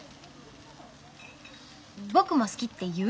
僕も好きって言う？